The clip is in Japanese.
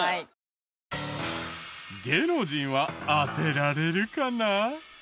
芸能人は当てられるかな？